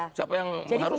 loh siapa yang mengharuskan